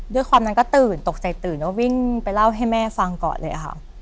ด้วยความนั้นก็ตื่นตกใจตื่นก็วิ่งไปเล่าให้แม่ฟังก่อนเลยค่ะ